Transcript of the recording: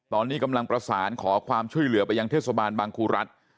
ตอนนี้กำลังประสานขอความช่วยเหลือไปยังเทศบาลบางครูรัฐ